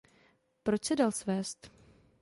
Proč se dal svést?